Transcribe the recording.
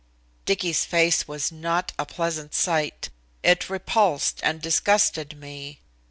Dicky's face was not a pleasant sight. It repulsed and disgusted me.